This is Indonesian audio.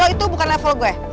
itu bukan level gue